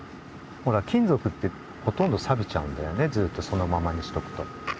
金属ってほとんどサビちゃうんだよねずっとそのままにしておくと。